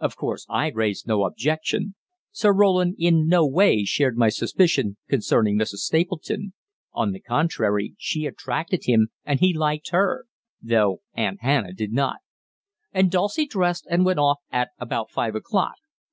Of course I raised no objection" Sir Roland in no way shared my suspicion concerning Mrs. Stapleton; on the contrary, she attracted him and he liked her, though Aunt Hannah did not "and Dulcie dressed and went off at about five o'clock.